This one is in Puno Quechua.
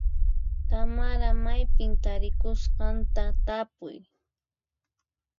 Tamara maypi tarikusqanta tapuy.